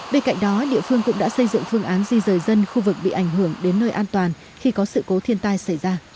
bên cạnh đó địa phương cũng đã xây dựng phương án di rời dân khu vực bị ảnh hưởng đến nơi an toàn khi có sự cố thiên tai xảy ra